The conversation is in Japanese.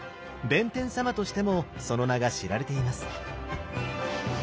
弁天様としてもその名が知られています。